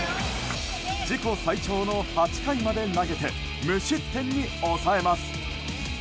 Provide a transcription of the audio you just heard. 自己最長の８回まで投げて無失点に抑えます。